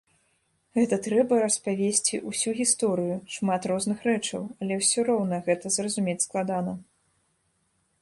Гэта трэба распавесці ўсю гісторыю, шмат розных рэчаў, але ўсё роўна гэта зразумець складана.